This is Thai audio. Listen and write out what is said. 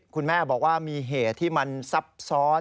คุณแม่บอกว่ามีเหตุที่มันซับซ้อน